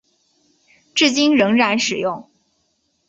至今仍然使用。